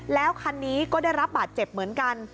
แล้วคันนี้ก็ได้รับบาดเจ็บเหมือนกัน